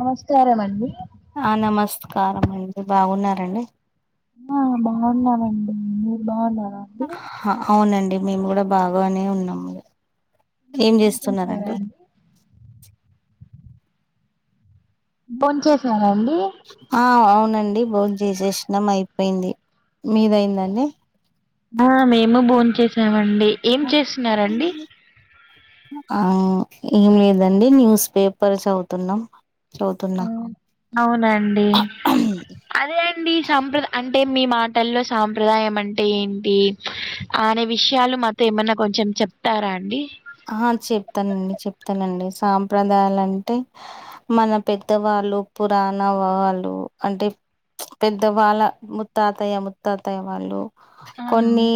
నమస్కార అండి ఆ నమస్కారం అండి బాగున్నారండి ఆ బాగున్నామండిమీరు బాగున్నారా అండి అవునండి మేము కూడా బాగానే ఉన్నాము ఏం భోంచేసారా చేస్తున్నారండి అండి బోన్ చేసారండి ఆ అవునండి బా చేసేసినం అయిపోయింది మీదయిందండి ఆ మేము భోన్ చేసామండి ఏం చేస్తున్నండి ఆ ఏం లేదండి న్యూస్ పేపర్ చదువుతున్నాం చదువుతున్నా అవునండి అదే అండి సంప్రదాయం అం అంటే మీ మాటల్లో సాంప్రదాయం అంటే ఏంటి అనే విషయాలు మాతో ఏమన్నా కొంచెం చెప్తారా అండి ఆ చెప్తానండి చెప్తానండి సాంప్రదాయాలు అంటే మన పెద్దవాళ్ళు పురాణ వాళ్ళు అంటే పెద్ద వాళ్ళ ముత్తాతయ్య ముత్తాతాయ వాళ్ళు ఆ కొన్ని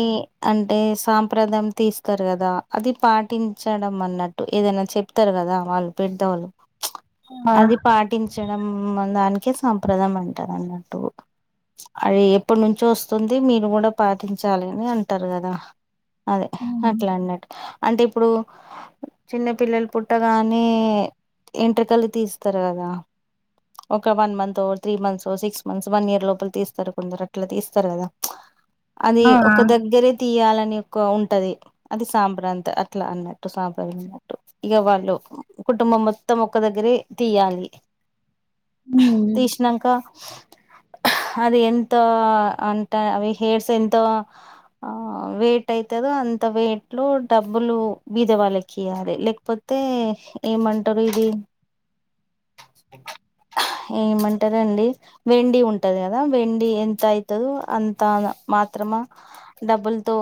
అంటే సాంప్రదాయం తీస్తారు కదా అది పట్ పట్టించడం అన్నట్టు ఏదైనా చెప్తారు కదా వాళ్ళు పెద్దవాళ్ళు ఆ అది పాటించడం దానికే సంప్రదాయం అంటారు అన్నట్టు అవి ఎప్పటి నుంచో వస్తుంది మీరు కూడా పాటించాలి అని అంటారు కదా అదే ఉమ్ అట్లా అన్నట్టు అంటే ఇప్పుడు చిన్న పిల్లలు పుట్టగానే ఇంట్రూకలు తీస్తారు కదా ఒక వన్ మంత్ ఓ three months six months one year లోపల తీస్తారు కొందరు అట్లా తీస్తారు కదా అది ఒక దగ్గరే తీయాలని ఒక ఉంటది అది సాంప్ర అట్లా అన్నట్టు సంప్రదాయం అన్నట్టు ఇగ వాళ్ళు కుటుంబం మొత్తం ఒకక్క దగ్గరే తీయాలి తీసినాక అది ఎంత అంటా అవి హేర్స్ ఎంతో ఆ వేట్ అయితదో అంత వెయిట్ లో డబ్ డబ్బులు బీద వాళ్ళకి ఇయాలి లేకపోతే ఏమంటారు ఇది ఏమంటారండి వెండి ఉంటది కదా వెండి ఎంత అయితదో అంతా మాత్రమా డబ్బుల్ తో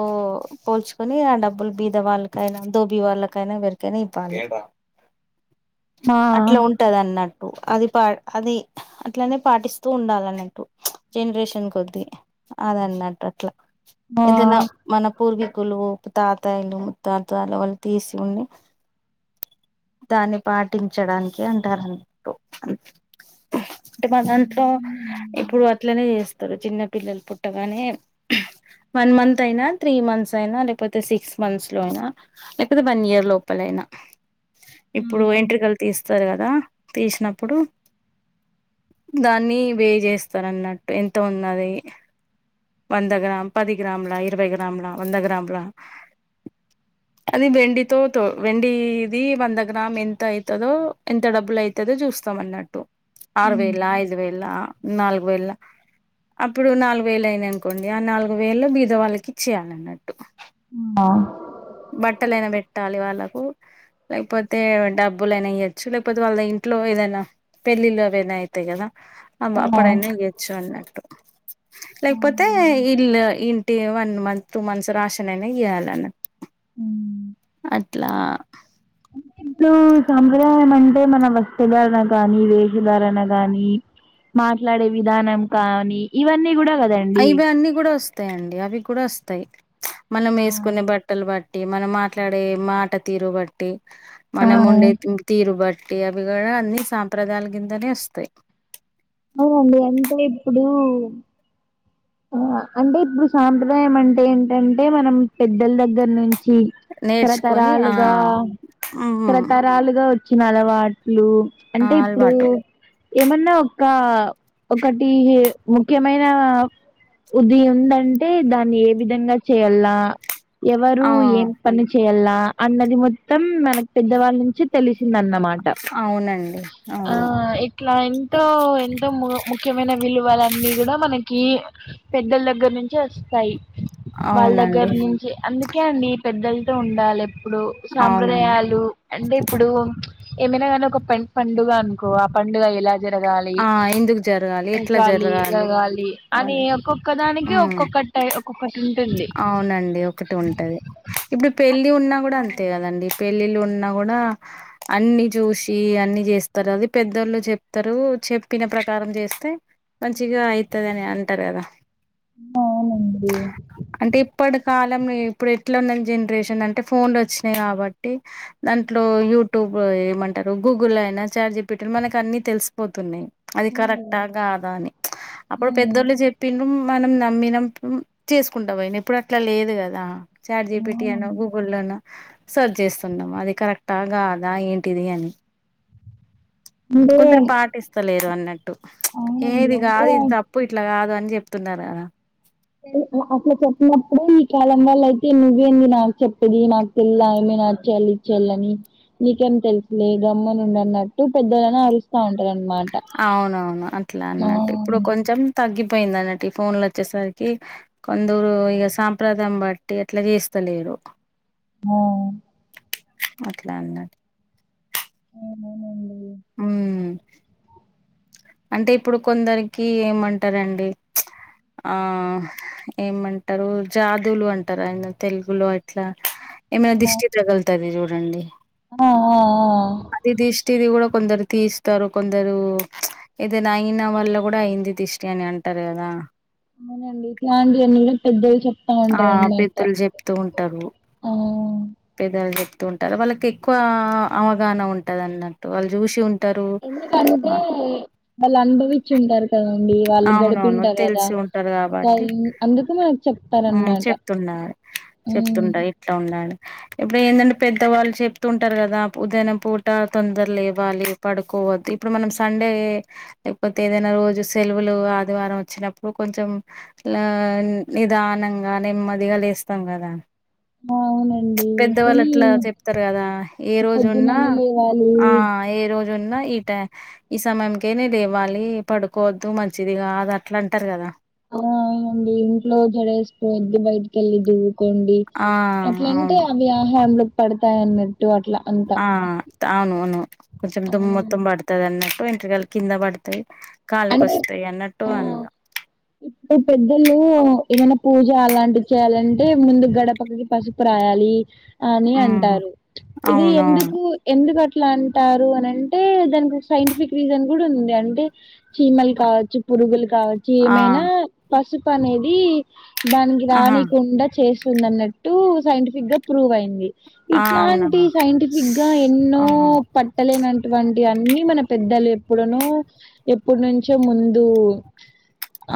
పోల్చుకుని ఆ డబ్బులు బీ ద వాళ్ళకైనా ధోబి వాళ్ళకైనా ఎవరికైనా ఇవ్వాలి మా అట్లా ఉంటదన్నట్ టు అది పా అది అట్లానే పాటిస్తూ ఉండాలన్నట్టు జనరేషన్ కొద్దీ అదన్నట్టు అట్లా మా ఏదనా మన పూర్వీకులు తాతాయలు ము త్తతాలు వళ్ళు తిసి ఉండి దాన్ని పాటించడానికి అంటారన్నట్టు అంటే మా దాంట్లో ఇప్పుడు అట్లనే చేస్తారు చిన్న పిల్లలు పుట్టగానే వన్ మంత్ అయినా త్రీ మంత్స్ అయినా లేకపోతే సిక్స్ మంత్స్ లో అయినా లేకపోతే వన్ ఇయర్ లోపల అయినా ఇప్పుడు ఎంట్ర కలు తీస్తారు కదా తీసినప్పుడు దాన్ని వే చేస్తారన్నట్టు ఎంత ఉన్నది వంద గ్రామ్ పది గ్రామ్లా ఇరవై గ్రామ్లా వంద గ్రామ్లా అ అది వెండి తో తో వెండిది వంద గ్రామ్ ఎంత అవుతదో ఎంత డబ్బులు అవుతదో చూస్ మన్నట్టు ఆరు అవునండి వేల ఐదు వేలా నాలుగు వేల్ అప్పుడు నాలుగు వేలు అయినయి ఆనుకోండి ఆ నాలుగు వేలు బిదవాళ్ళకి ఇచ్చేయాలన్నట్టు ఆ బట్టలైన పెట్టాలి వాళ్ళకు లేకపోతే డబ్బులైనా ఇయొచ్చు లేకపోతే వాళ్ళ ఇంట్లో ఏదైనా పెళ్ళిళ్ళు ఏవైనా అవుతాయి కదా అవ్ ఆ అప్పుడైనా ఎవ్వోచ్చు అన్నట్టు లైక్ ఇల్లు ఇంటి one month two months ration అయినా ఇయ్యాలన్న ఆ అట్లా ఇప్పుడు సాంప్రదాయం అంటే మన వస్త ధరణ గాని వేషధారణ గానీ మాట్లాడే విధానం కానీ ఇవన్నీ కూడా కదండి అయివి అన్నీ కూడా వస్తాయిండి అవి కూడా వస్తాయి మనం ఆ వేసుకునే బట్టలు బట్టి మనం మాట్లాడే మాట తీరు బట్టి ఆ మనం ఉండే తీరు బట్ ట్టి అవి కూడా అన్ని సాంప్రదాయల కిందనే వస్తాయి అవునండి అంతే ఇప్పుడు ఆ అంటే ఇప్పుడు సాంప్రదాయం అంటే ఏంటంటే మనం పెద్దల దగ్గర నుంచి చి నేర్చుకొని ఆ తరాతరాలుగా హ్మ్ తరాతరాలుగా ఇచ్చినాలవాట్లు ఆ అంటే ఇప్పుడు అలవాటు ఏమన్నా ఒక ఒకటి ముఖ్యమైన ఉది ఉందంటే దాన్ని ఏ విధంగా చేయల్ల ఎవరు ఆ ఏం పని చేయాల్లా అన్నది మొత్తం మనకు పెద్దవాళ్ళ నుంచి తెలిసింద అన్న మాట అవునండి ఆ అవును ఇట్లా ఎంతో ఎంతో ము ముఖ్యమైన విలువలున్నీ కూడా మనకి పెద్దల దగ్గర నుంచి వస్తాయి వాళ్ళ దగ్గర అవునండి నుంచి అందుకే అండి పెద్దలతో ఉండాలి ఇప్పుడు అవునండి సాంప్రదాయాలు అంటే ఇప్పుడు ఏమైనాగానీ ఒక పే పండుగ అనుకో ఆ పండుగ ఎలా జరగాళి ఆ ఎందుకు జరగాలి ఎట్లా ఉంచాలి జరగాలి లెగాలి అని అవన్నీ ఒక్కొక్క దానికి హ్మ్ ఒక్కొక్కటై ఒక్కొక్కటి ఉంటుంది అవునండి ఒకటి ఉంటది ఇప్పుడు పెళ్ళి ఉన్నా కూడా అంతే కదండి పెళ్ళిళ్ళు ఉన్నా కూడా అన్ని చూసి అన్ని చేస్తారు అది పెద్దళ్ళు చెప్తారు చెప్పిన ప్రకారం చేస్తే మంచిగా అయితది అని అంటారు కదా ఆ అవునండి అంటే ఇప్పటి కాలం ఇప్పుడు ఎట్లా ఉన్న జనరేషన్ అంటే ఫోన్లు వచ్చినాయి కాబట్టి దాంట్లో యూట్యూబ్ ఏమంటారు గూగుల్లో అయినా చాట్ జి పి టి మనకాని తెలిసిపోతున్నాయి అది ఉ కరెక్టా గాదా అని ఉ అప్పుడు పెద్దళ్ళు చెపిన్రూ మనం నమ్మినం చేసుకుంటా పోయిన ఇప్పుడు అట్లా లేదు కదా చాట్జీపిటి అనో అవునండి గూగుల్లోనో సర్చ్ చేస్తున్నాము అది కరెక్టా గాదా ఏంటిది అని అంటే కొందరు పాటిస్తలేరు అన్నట్టు అవునండి ఏది కాదు అంటే ఇది తప్పు ఇట్లా కాదు అని అని జెప్తున్ననాన్న అట్లా చెప్పినప్పుడు ఈ కాలం వాల్ల అయితే నువు ఏంది నాకు చెప్పేది నాకు తెల్ నచ్చేలి ఇచ్చేళ్ని నీకేం తెలుసులే గమ్మున ఉండన్నట్టు పెద్దలని అరుస్తా ఉంటారు అవునవును అట్లా అన్నట్టు ఇప్పుడు కొంచెం తగ్గి పోయింద అన్నటి ఫోన్లు వచ్చేసరికి కొందరు ఇగా సాంప్రదాయం బట్టి అట్లా చేస్తలేరు హ అట్లా అన్నట్టు అవునండి. హ్మ్మ్ అంటే ఇప్పుడు కొందరికి ఏమంటారు అండి ఆ ఏమంటారు జాదువులు అంటారు ఆయన తెలుగులో ఇట్లా ఏమైనా ఆ దిష్టి తగులుతంది చూడండి ఆ ఆ ఆ. అది దిష్టిది కూడా కొందరు తీస్తారు కొందరు ఏదైనా అయినవాళ్ళ గుడా అయింది దిష్టి అని అంటారు కదా అవునండి ఇట్లాంటివన్నీ కూడా పెద్దొళ్ళు చెప్ ఆ పెద్దలు చెప్తూ ఉంటారు ఆ పెద్దలు చెప్త ంటారు వాళ్ళకి ఎక్కువ అవగాహన ఉంటంది అన్నట్టు వాళ్ళు చూసి ఉంటారు ఎందుకుంటే ఆ! వాళ్ళు అనుభవిచి ఉంటాారు కద వాళ్ళు అవునవును గడిపుంటర్ కదా తెలిసి ఉంటారు కాబట్టి టైమ్ అందుకునే వచ్చి మ్ చెప్తారనమాట చెప్తున్నారు చెప్తుంటారు ఇట్లా ఉండాడి ఇప్పుడు ఏందంటే పెద్దవాళ్ళు చెప్తుంటారు గాదా ఉదయం పూట తొందర లేవ్వాలి పడుకో ఇప్పుడు మనం సండే లేకపోతే ఏదైనా రోజు. సెలవులు ఆదివారం వచ్చినప్పుడు కొంచెం ల నిదానంగా నెమ్మదిగా లేస్. లేస్తం కదా. ప్చ్ అవునండి పెద్దవాళ్ళు కానీ అట్లా చెప్తారు కదా ఏ రోజు ఉన్నా పొద్దుననే లేవాలి ఆహ్ ఆహ్ ఏ రోజు ఉన్నా ఈ టై ఈ సమయంకేన లేవ్వాలి పడు. కోద్దు మంచిది కాదు అట్లా అంటారు కదా. ఆహ్ అవును అండి ఇంట్లో జడ వేసుకోవద్దు బయటికి వెళ్లి దువ్వుకో. ఉండి ఆ అట్లంటే అవును ఆవి ఆహారంలోకి పడతాయన్నట్. ఆహ్ అవును అవును కొంచెం ఆ! దుమ్ మొత్తం పడుతదాన్నట్. వెంట్రుకలు కింద పడుతాయి అంటే ఆహ్ ఇప్పుడు ఈ పెద్దోళ్ళు. ఏమైనా పూజ అలాంటివి చేయాలంటే ముందు గడపకి పసుపు రాయాలి. అని ఉహు అంటారు ఇది అవునవును ఎందుకు ఎందుకు అట్లా. అట్లా అంటారు అనంటే దానికి ఒక సైంటిఫిక్ రీజన్ కూడా ఉంది అంటే చీమలు కావచ్చు పురుగులు కావచ్చు ఆ ఏమైనా పసుపు అనేది. దానికి ఆహా రానీకుండా చేస్తుంది అన్నట్టు సైంటిఫిక్ గా ప్రూవ్ అయింది. ఆ అవునమ్మా ఇట్లాంటివి సైంటిఫిక్ గా ఎన్నో ఆహా పట్టలేనటువంటి. అన్నీ మన పెద్దలు ఎప్పుడునో ఎప్పుడు నుంచో ముందు.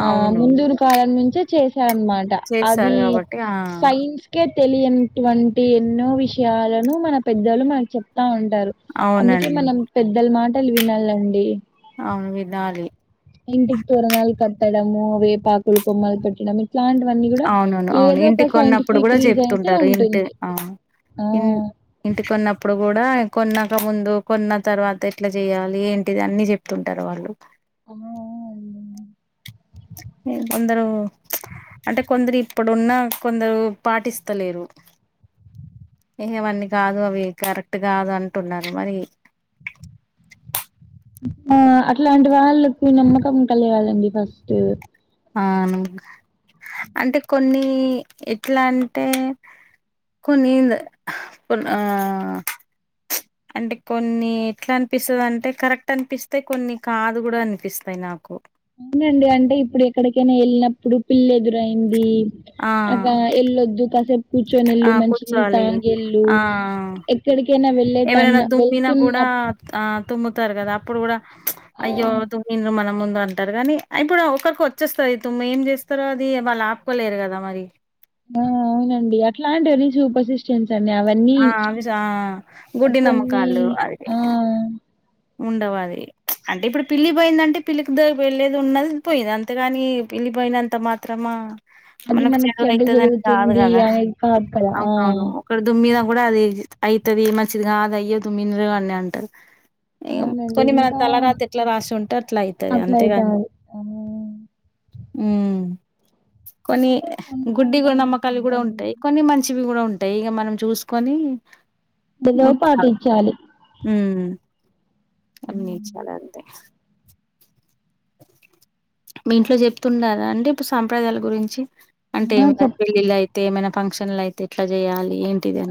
ఆహ్ అవునవును ముందుడు కాలం నుంచే చేశారన్నమాట అది చేశారు కాబట్టి ఆ సైన్స్ కే. తెలియనటువంటి ఎన్నో విషయాలను మన పెద్దలు మనకు చెప్. తా అంటాంలు అందుకే అవునండి మనం పెద్దల మాటలు వినాలండి. అవును వినాలి. ఇంటికి తోరనాలు కట్టడము వేపాకు కొమ్మలు పెట్టడం. ఇట్లాంటివన్నీ కూడా అవునవును అవును ఏదో ఒక ఇంటికి కొన్నప్పుడు సైంటిఫిక్ కూడా రీజన్ అయితే చెప్తుంటారు ఇంటి ఉంటుంది. అవును ఆ ఇన్ ఇంటికోన్నప్పుడు కూడా. కొన్నాక ముందు కొన్న తర్వాత ఎట్లా చెయాలి ఏంటిది అన్ని చెప్తుంటారు వాళ్ళు. అవును. మేం కొందరు. అంటే కొందరు ఇప్పుడున్నా కొందరు పాటిస్తలేరు. ఎహే అవన్నీ కాదు అవి కరెక్ట్ కాదు అంటున్నారు మరి. ఆహ్ అట్లాంటి వాళ్ళకు నమ్మకం కలగలండి ఫస్ట్. అవును అంటే కొన్ని ఎట్లా అంటే. కొన్ని నేనుద కోన్న ఆహ్ ప్చ్. అంటే కొన్ని ఎట్లా అనిపిస్తుంది అంటే కరెక్ట్ అనిపిస్తే కొన్ని కాదు కూడా అనిపిస్త. కై నాకు. అవునండి అంటే ఇప్పుడు ఎక్కడికైనా వెళ్ళినప్పుడు పిల్లి ఎదురైంది. ఆ అగా వెళ్ళోద్దు కాసేపు. కూర్చొని ఆ వెళ్ళు మంచి నీళ్లు కూర్చోవాలి తాగేళ్ళు ఆ ఎక్కడికైనా వెళ్ళే తన్న వెళ్తున్న. ఆహ్ తుమ్ముతారు కదా అప్పుడు కూడా ప్చ్ ఆ! అయ్యో తుమ్మిండ్రు మన ముంద. అంటారు కానీ ఇప్పుడు ఒకరికి వచ్చేస్తది తుమ్ము ఏం చేస్తారో అది వాళ్ళు ఆపుకోలేరు కదా మరి. ఆహ్ అవునండి అట్లాంటివని సూపర్సిస్టెన్స. ఆహ్ అవి గుడ్డి కొన్ని నమ్మకాలు అది. ఆ! ఉండవు అది ప్చ్ అంటే ఇప్పుడు పిల్లి పోయిందంటే పిల్లికి ద వెళ్ళేది ఉన్నది పోయింది అంతేగాని. పోయినంత మాత్రమా. అది మనకు మనకి చదువు చెడ్డ అవుతుందని కాదు జరుగుతుంది కదా అనేది కాదు కదా! ఆ! అవునవును ఒకడ దుమ్మిన కూడా అది అయితది మంచిది కాదు అది అయ్యదు మిన అన్ని అంటారు అవునండి. కొన్ని మన ఇంకా తలరాత ఎట్లా రాసి ఉంటే అట్లా అయితది అంతేగాని అట్లయితాది. ఆ! అ కొన్ని ఇంకా అట్లంటా గుడ్డి ఉంటారండి నమ్మకాలు కూడా పెద్దలు. ఉంటాయి కొన్ని మంచివి కూడా ఉంటాయి ట్టైగా మనం చూసుకొని ఏదో ఉంచాలి పాటించాలి. హ్మ్ అన్నీ హ్మ్. చాలా అంతే మీ ఇంట్లో చెప్తుంనరా అండి ఇప్పుడు సాంప్రదాయాల గురించి అంటే ఏ ఆ! చెప్ పెళ్ళిలు అయితే ఏమైనా ఫంక్షన్లు అయితే ఎట్లా చేయాలి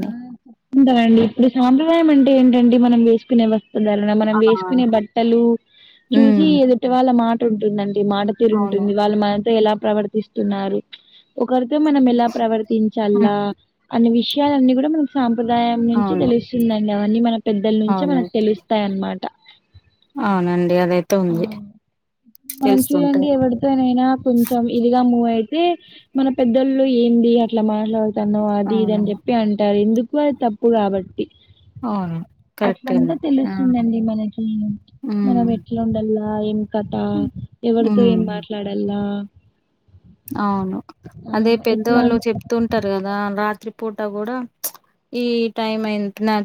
ఆ చెప్తుంటారండి ఇప్పుడు సాంప్రదాయం అంటే ఏంటండి మనం వేసుకునే వ ఉదరానా మనం ఆ వేసుకునే బట్టలు చూసి హ్మ్ ఎదుటి వాళ్ళ మాట ఉంటుందండి మాటతిరు అవును ఉంటుంది వాళ్ళు మనతో ఎలా ప్రవర్తిస్తున్నారు ఒకరితో మనం ఎలా ప్రవర్ హ్మ్ గుర్తించలా అనే విషయాలన్ని కూడా మనకు సాంప్రదాయం నుంచి అవును తెలుస్తుందండి అవన్నీ మనం పెద్దల నుంచే అవును మనకు తెలుస్తాయి అన్నమాట అవునండి అదయితే ఆ ఉంది మనం చూడండి తెలుస్తుంటది ఎవరితోనైనా కొంచెం ఇదిగా మూవ్ అ అయితే మన పెద్దొళ్లు ఏంది అట్లా మాట్లాడుతానవ్ అది ఇది అవును చెప్ అంటారు ఎందుకు అది తప్పు కాబట్టి అవును కరెక్టే అట్లుంటే అండి ఆ తెలుస్తుందండి మన మనం హ్మ్ ఎట్లా ఉండలో ఏం కథ ఎవరితో ఏం హ్మ్. మాట్లాడలా అవును ఆ అదే ఎట్లా పెద్దవాళ్ళు చెప్తూ ఉంటారు కదా రాత్రి పూట కూడా ఈ టైమ్ అయి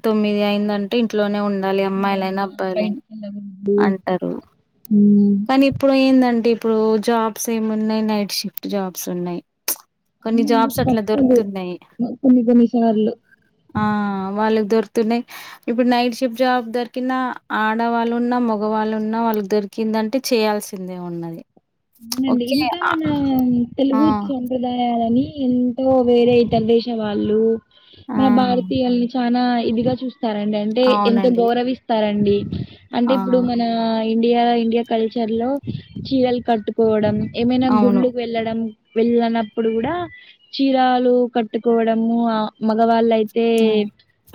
తొమ్మిది అయింద అంటే ఇంట్లోనే ఉండ ఉండాల అమ్మాయిలనా ఉండాలా అబ్బాలైన బయటికి వెళ్ళకూడదు అంటారు ఉమ్, కానీ ఇప్పుడు ఏందండి ఇప్పుడు జాబ్స్ ఏమి ఉన్నాయి నైట్ షిఫ్ట్ జాబ్స్ ఉన్నాయి్ కొన్ని అవునండి జాబ్స్ అట్లా తప్పదు దొరుకుతున్నాయి కొన్ని కొన్ని సార్లు ఆ వాళ్ళకి దొ యి ఇప్పుడు నైట్ షిఫ్ట్ జాబ్ దొరికినా ఆడవాళ్ళు ఉన్నా మగవాళ్ళున్నా వాళ్ళకి దొరికి ఎందంటే చేయాల్సిందే ఉన్నది అవునండి ఓకే. ఇంకా ఆ! మన ఆ! తెలుగు సంంప్రదాయాలని ఎంతో వేరే ఇతర దేశ వాళ్ళు ఆ! మన భారతీయుల్ని చనా ఇదిగా చూస్తారండి అంటే ఎంత అవునండి. గౌరవిస్తారండి అంటే ఆ! ఇప్పుడు మన ఇండియా ఇండియా కల్చర్ లో చీరలు కట్టుకోవడం ఏమైనా అవును. గుళ్ళకి వెళ్ళడం వెళ్ళనప్పుడు కూడా చీరాలు కట్టుకోవడము ఆ మగవాళ్ళయితే అయితే ఆ!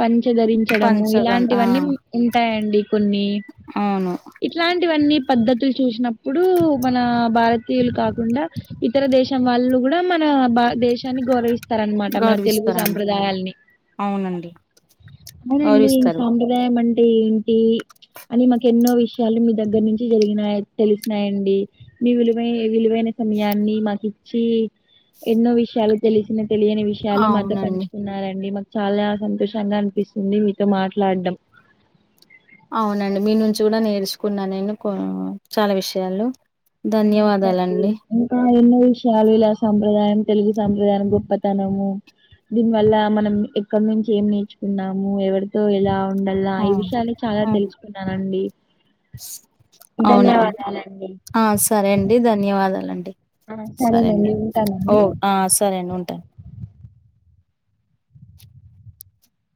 పంచ ధరించడము పంచగన్ ఆ ఇలాంటివన్నీ ఉంటాయండి కొన్ని అవును ఇట్లాంటివన్నీ పద్ధతులు చూసినప్పుడు మన భారతీయులు కాకుండా ఇతర దేశం వాళ్ళు కూడా మన భ దేశాన్ని గౌరవిస్త ఇస్తారనమాట మన తెలుగు గౌరవిస్తారండి సాంప్రదాయాల్ని అవునండి అవునండి గౌరవిస్తారు సాంప్రదాయం అంటే ఏంటి అని మాకు ఎన్నో విషయాలు మీ దగ్గర నుంచి జరిగినా తెలిసినాయండి మీ విలువ విలువైన సమయాన్ని మాకు ఇచ్చి ఎన్నో విషయాలు తెలిసిన తెలియని విషయాలు మాతో అవునండి పంచుకున్నారండి మా చాలా సంతోషంగా అనిపిస్తుంది మీతో మాట్లాడడం అవునండి మీ నుంచి కూడా నేర్చుకున్నా నేను కొ చాలా విషయాలు అవునండి ధన్యవాదాలండి ఇంక ఎన్నో విషయాలు ఇలా సం సాంప్రదాయం తెలుగు సాంప్రదాయం గొప్పతనము. దీని వల్ల మనం ఎక్కడ నుంచి ఏం నేర్చుకున్నాము ఎవరితో ఎలా. ఉండల్లా ఆ ఈ విషయాలు చాలా ఆ! తెలుసుకున్నానండి. అవునండి ధన్యవాదాలండి. ఆ సరే అండి ధన్యవాదాలండి. ఆ సరే అండి సరేనండి ఓ ఉంటానండి ఆహ్ సరే అండి ఉంటాను.